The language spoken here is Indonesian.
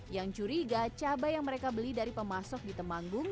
yang curiga cabai yang mereka beli dari pemasok di temanggung